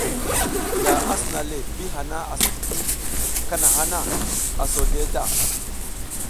Da a sina le ɓi hana asa tiki kahana na, a so zleʼe ta.